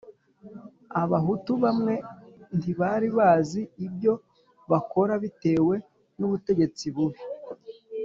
Abahutu bamwe ntibari bazi ibyo bakora bitewe n’ubutegetsi bubi